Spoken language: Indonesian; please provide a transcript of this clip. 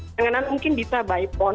kangenan mungkin bisa baikpun